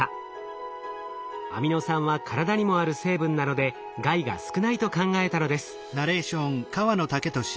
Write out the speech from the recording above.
アミノ酸は体にもある成分なので害が少ないと考えたのです。